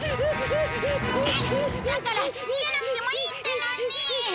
だから逃げなくてもいいってのに！